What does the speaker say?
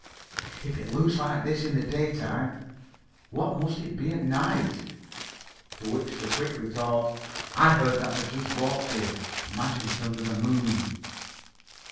"If it looks like this in the daytime, what must it be at night!" To which came the quick retort: "I've heard that the judge walks here. Imagine it under the moon!"